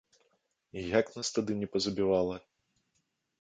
І як нас тады не пазабівала?